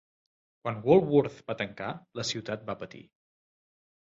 Quan Woolworth's va tancar, la ciutat va patir.